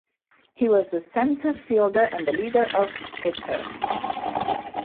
He was a center fielder and the lead off hitter.